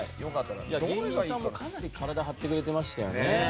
芸人さんもかなり体を張ってくれましたね。